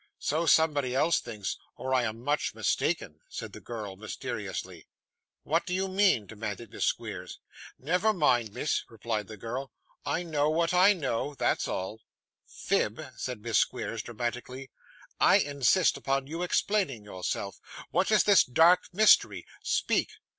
'So somebody else thinks, or I am much mistaken,' said the girl mysteriously. 'What do you mean?' demanded Miss Squeers. 'Never mind, miss,' replied the girl; 'I know what I know; that's all.' 'Phib,' said Miss Squeers dramatically, 'I insist upon your explaining yourself. What is this dark mystery? Speak.